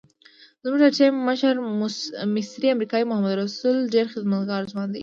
زموږ د ټیم مشر مصری امریکایي محمد رسول ډېر خدمتګار ځوان دی.